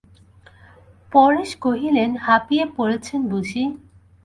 পরেশ কহিলেন, হাঁপিয়ে পড়েছেন বুঝি!